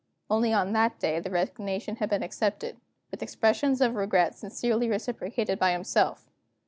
Only on that day the resignation had been accepted with expressions of regret sincerely reciprocated by himself.